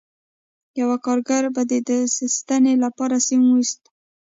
یوه کارګر به د ستنې لپاره سیم ویسته